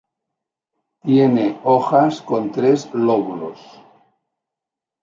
Tiene hojas con tres lóbulos.